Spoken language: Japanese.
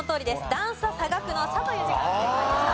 段差差額の「差」という字が正解でした。